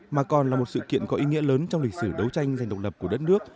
mà còn là một sự kiện có ý nghĩa lớn trong lịch sử đấu tranh dành độc lập của đất nước